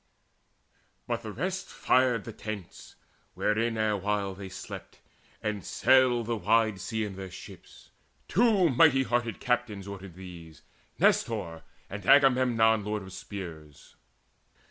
But the rest fired the tents, wherein erewhile They slept, and sailed the wide sea in their ships. Two mighty hearted captains ordered these, Nestor and Agamemnon lord of spears.